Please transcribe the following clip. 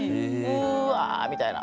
うわみたいな。